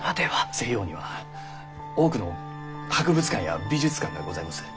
西洋には多くの博物館や美術館がございます。